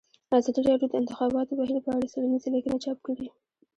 ازادي راډیو د د انتخاباتو بهیر په اړه څېړنیزې لیکنې چاپ کړي.